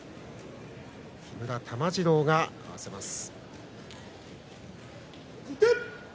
木村玉治郎が合わせます。